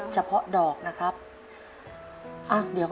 เฉพาะดอกเบี้ย